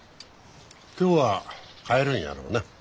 今日は帰るんやろな？